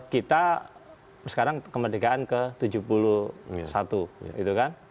kita sekarang kemerdekaan ke tujuh puluh satu gitu kan